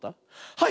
はい！